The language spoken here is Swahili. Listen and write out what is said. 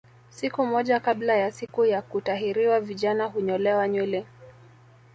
Siku moja kabla ya siku ya kutahiriwa vijana hunyolewa nywele